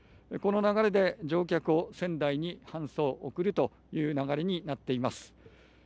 この流れで、乗客を仙台に搬送する流れになっています。